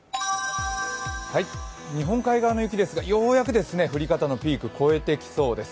日本海側の雪ですが、ようやくピークを越えてきそうです。